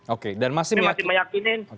oke dan masih meyakini